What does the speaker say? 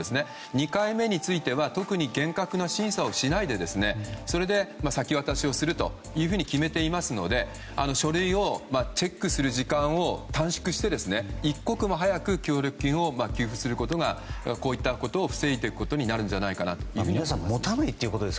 ２回目については特に厳格な審査をしないで先渡しをすると決めていますので書類をチェックする時間を短縮して一刻も早く協力金を給付することがこういったことを防いでいくことになるんじゃないかと思います。